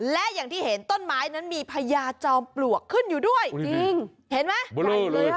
และอย่างที่เห็นต้นไม้นั้นมีพญาจอมปลวกขึ้นอยู่ด้วยจริงเห็นไหมใหญ่เลยอ่ะ